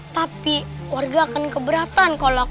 tapi warga akan keberatan kalau aku pergi